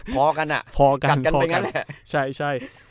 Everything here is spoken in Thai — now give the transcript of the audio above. พอกันอ่ะกัดกันไปงั้นแหละ